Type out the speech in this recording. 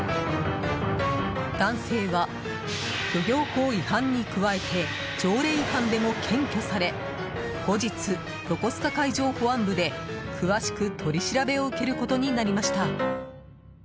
男性は漁業法違反に加えて条例違反でも検挙され後日、横須賀海上保安部で詳しく取り調べを受けることになりました。